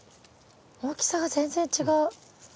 大きさが全然違う。